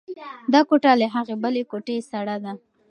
دا کوټه له هغې بلې کوټې سړه ده.